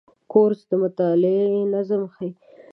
کورس د مطالعې نظم ښيي.